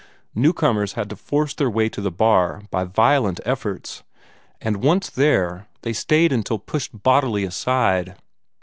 Newcomers had to force their way to the bar by violent efforts, and once there they stayed until pushed bodily aside.